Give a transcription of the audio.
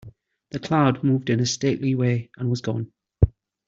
The cloud moved in a stately way and was gone.